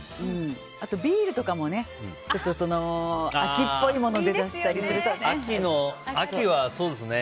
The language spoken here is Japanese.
あとビールとかもね秋っぽいもので出したりするとね。